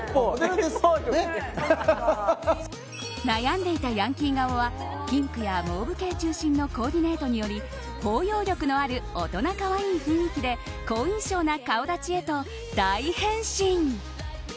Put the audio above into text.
悩んでいたヤンキー顔はピンクやモーブ系中心のコーディネートにより包容力のある大人可愛い雰囲気で好印象な顔立ちへと大変身。